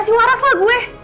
masih waras lah gue